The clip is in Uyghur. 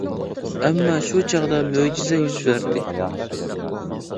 ئەمما شۇ چاغدا مۆجىزە يۈز بەردى.